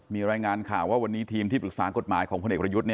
มีรายงานข่าวว่าวันนี้ทีมที่ปรึกษากฎหมายของพลเอกประยุทธ์